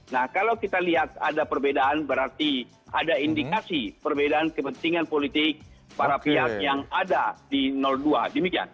nah kalau kita lihat ada perbedaan berarti ada indikasi perbedaan kepentingan politik para pihak yang ada di dua demikian